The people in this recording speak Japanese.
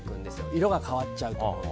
色が変わっちゃうと思うので。